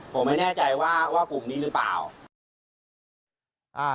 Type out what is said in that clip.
ผมไม่แน่ใจว่าว่ากลุ่มนี้หรือเปล่า